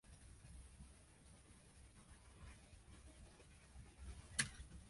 いらっしゃい、いらっしゃい、そんなに泣いては折角のクリームが流れるじゃありませんか